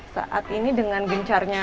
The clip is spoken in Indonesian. saat ini dengan gencarnya